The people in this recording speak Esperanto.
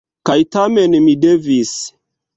Kaj tamen mi devis.